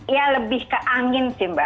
ya lebih ke angin sih mbak